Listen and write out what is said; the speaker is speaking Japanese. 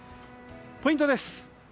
ポイントです。